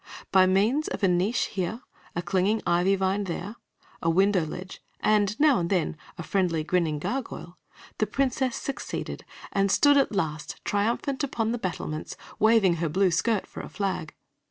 By means of a niche here, a clinging ivy vine there, a window ledge, and, now and then, a friendly, grinning gargoyle, the Princess succeeded, and stood at last triumphant upon the battlements, waving her blue skirt for a flag.